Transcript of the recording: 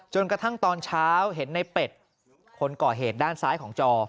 กระทั่งตอนเช้าเห็นในเป็ดคนก่อเหตุด้านซ้ายของจอ